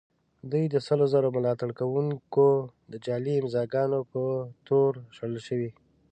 دوی د سلو زرو ملاتړ کوونکو د جعلي امضاء ګانو په تور شړل شوي.